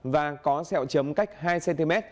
và có xeo trầm cách hai cm